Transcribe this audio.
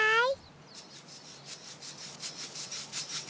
はい！